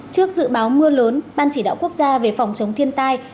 trước dự báo mưa lớn ban chỉ đạo quốc gia về phòng chống thiên tai